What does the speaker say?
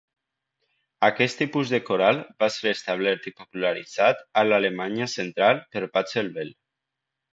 Aquest tipus de coral va ser establert i popularitzat a l'Alemanya central per Pachelbel.